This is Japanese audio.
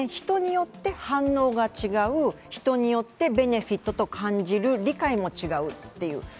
人によって反応が違う、人によってベネフィットと感じる、理解も違うっていう。